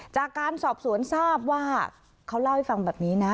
จากการสอบสวนทราบว่าเขาเล่าให้ฟังแบบนี้นะ